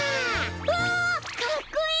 わあかっこいい！